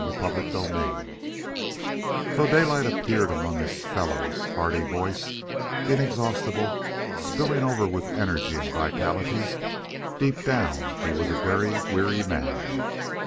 CHAPTER XXI Though Daylight appeared among his fellows hearty voiced, inexhaustible, spilling over with energy and vitality, deep down he was a very weary man.